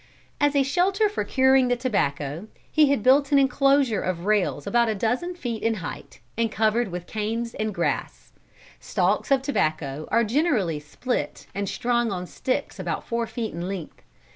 "As a shelter for curing the tobacco, he had built an enclosure of rails a dozen feet in height and covered with canes and grass. Stalks of tobacco are generally split and strung on sticks about four feet in length.